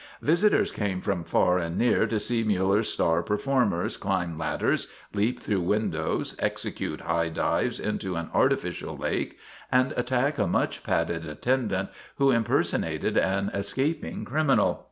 Visitors came from far and near to see Miiller's star performers climb ladders, leap through windows, execute high dives into an artificial lake, and attack a much padded attendant who imper sonated an escaping criminal.